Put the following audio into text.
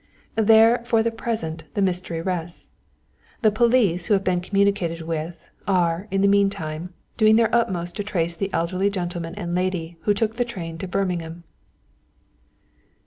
"There, for the present, the mystery rests. The police, who have been communicated with, are, in the mean time, doing their utmost to trace the elderly gentleman and lady who took the train to Birmingham."